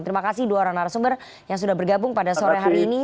terima kasih dua orang narasumber yang sudah bergabung pada sore hari ini